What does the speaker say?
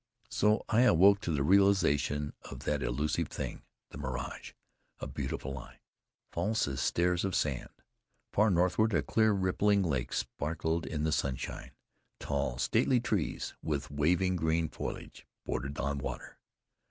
So I awoke to the realization of that illusive thing, the mirage, a beautiful lie, false as stairs of sand. Far northward a clear rippling lake sparkled in the sunshine. Tall, stately trees, with waving green foliage, bordered the water.